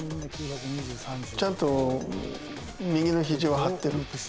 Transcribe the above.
ちゃんと右のひじを張ってる。